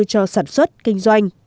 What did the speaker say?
cho sản xuất kinh doanh